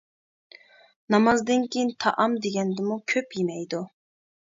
نامازدىن كېيىن تائام دېگەندىمۇ كۆپ يېمەيدۇ.